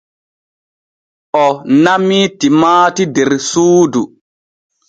O namii timaati der suudu.